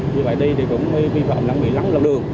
như vậy đi thì cũng vi phạm lắm bị lắng lâu đường